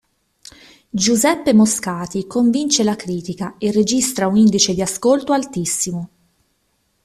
Giuseppe Moscati convince la critica e registra un indice di ascolto altissimo.